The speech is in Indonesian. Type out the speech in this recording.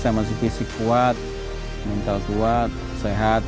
saya masih fisik kuat mental kuat sehat